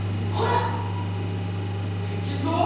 石像？